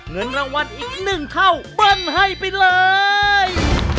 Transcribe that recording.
เงินรางวัลอีก๑เท่าเบิ้ลให้ไปเลย